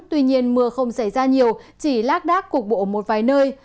tuy nhiên mưa không xảy ra nhiều chỉ lác đác cục bộ ở một vài nơi